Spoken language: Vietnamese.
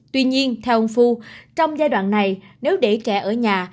tuy nhiên theo ông phu trong giai đoạn này nếu để trẻ ở nhà